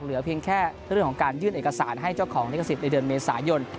เหลือเพียงแค่เรื่องของการยื่นเอกสารให้เจ้าของลิขสิทธิ์ในเดือนเมษายน